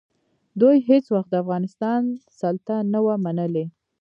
دوی هېڅ وخت د افغانستان سلطه نه وه منلې.